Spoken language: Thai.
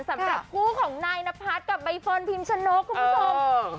สำหรับคู่ของนายนพัฒน์กับใบเฟิร์นพิมชนกคุณผู้ชม